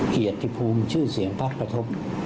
เขตที่ภูมิชื่อเสียงภักร์กระทบ